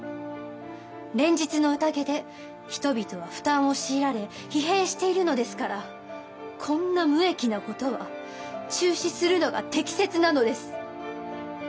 連日の宴で人々は負担を強いられ疲弊しているのですからこんな無益なことは中止するのが適切なのです。